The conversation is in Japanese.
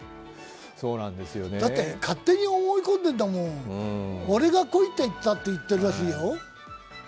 だって勝手に思い込んでるんだもん、俺が来いって言ってたらしいよ